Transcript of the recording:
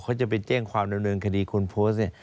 เขาจะไปเจ้งความเริ่มเริ่มคดีคุณโพสต์เนี่ย